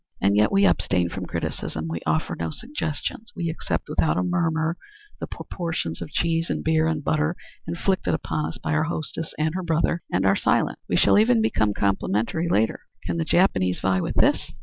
And yet we abstain from criticism; we offer no suggestions; we accept, without a murmur, the proportions of cheese and beer and butter inflicted upon us by our hostess and her brother, and are silent. We shall even become complimentary later. Can the Japanese vie with this?"